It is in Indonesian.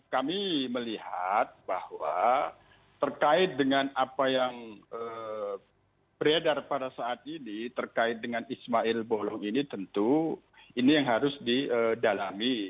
kami melihat bahwa terkait dengan apa yang beredar pada saat ini terkait dengan ismail bolong ini tentu ini yang harus didalami